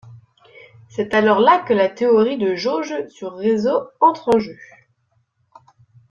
C'est alors là que la théorie de jauge sur réseau entre en jeu.